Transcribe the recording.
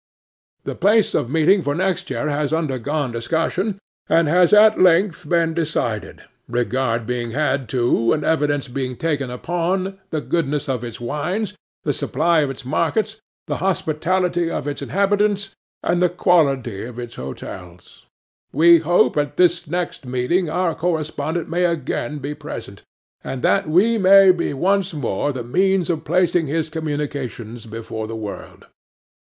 The place of meeting for next year has undergone discussion, and has at length been decided, regard being had to, and evidence being taken upon, the goodness of its wines, the supply of its markets, the hospitality of its inhabitants, and the quality of its hotels. We hope at this next meeting our correspondent may again be present, and that we may be once more the means of placing his communications before the world.